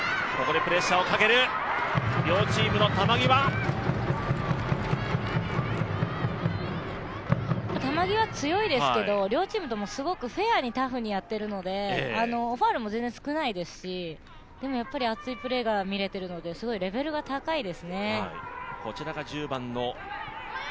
球際強いですけども、両チームともすごくフェアにタフにやってるのでファウルも全然、少ないですし熱いプレーが見れてるのですごいレベルが高いですね。